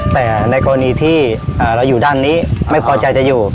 แต่ในกรณีที่เราอยู่ด้านนี้ไม่พอใจจะอยู่